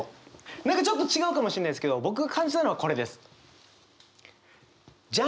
何かちょっと違うかもしれないんですけど僕が感じたのはこれです。